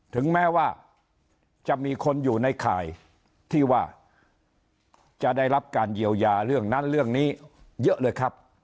ถึงแม้ว่าจะมีคนอยู่ในข่ายที่ว่าจะได้รับการเยียวยาเรื่องนั้นเรื่องนี้เยอะเลยครับ